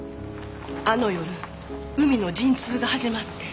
あの夜海の陣痛が始まって。